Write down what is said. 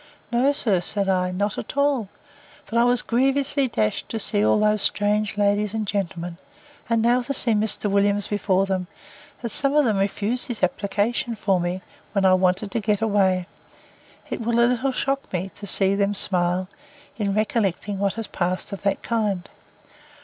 No, sir, said I, not at all. But I was grievously dashed to see all those strange ladies and gentlemen; and now to see Mr. Williams before them, as some of them refused his application for me, when I wanted to get away, it will a little shock me, to see them smile, in recollecting what has passed of that kind.